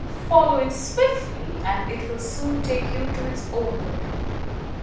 Follow it swiftly, and it will soon take you to its owner."